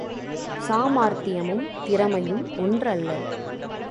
சாமார்த்தியமும் திறமையும் ஒன்றல்ல.